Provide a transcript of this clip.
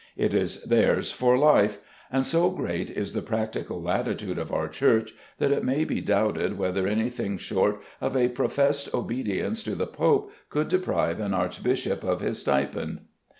It is theirs for life; and so great is the practical latitude of our Church, that it may be doubted whether anything short of a professed obedience to the Pope could deprive an archbishop of his stipend.